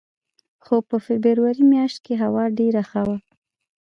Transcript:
خو په فبروري میاشت کې هوا ډېره ښه وه.